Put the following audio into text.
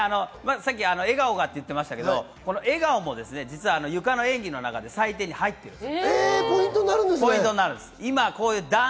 さっき笑顔がって言っていましたが、笑顔も実はゆかの演技の中で採点に入ってるんです。